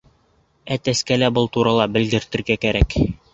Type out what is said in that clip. Әтәскә лә был турала белгертергә кәрәк.